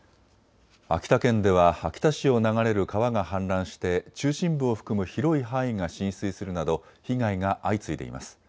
秋田県では秋田市を流れる川が氾濫して中心部を含む広い範囲が浸水するなど被害が相次いでいます。